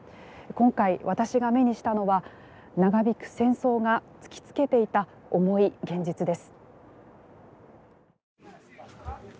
今回、私が目にしたのは長引く戦争が突きつけていた重い現実です。